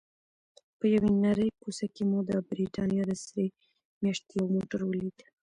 په یوې نرۍ کوڅه کې مو د بریتانیا د سرې میاشتې یو موټر ولید.